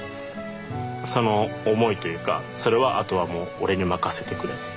その思いというかそれはあとはもう俺に任せてくれっていう。